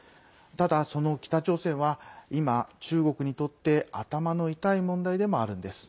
ただ、その北朝鮮は今、中国にとって頭の痛い問題でもあるんです。